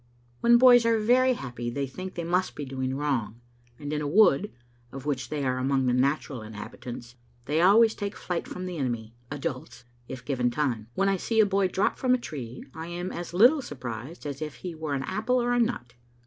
When boys are very happy they think they must be doing wrong, and in a wood, of which they are among the natural inhabitants, they always take flight from the enemy, adults, if given time. For my own part, when I see a boy drop from a tree I am as little surprised as if he were an apple or a nut.